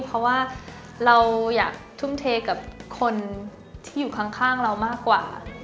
เพราะว่าเราอยากทุ่มเทกับคนที่อยู่ข้างเรามากกว่า